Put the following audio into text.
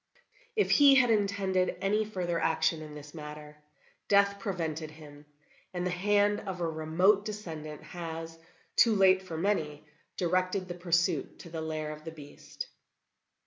If he had intended any further action in this matter, death prevented him; and the hand of a remote descendant has, too late for many, directed the pursuit to the lair of the beast."